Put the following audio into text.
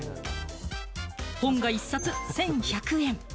本が１冊１１００円。